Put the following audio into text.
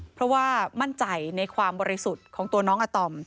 เพราะว่ามั่นใจในความบริสุทธิ์ของตัวน้องอาตอม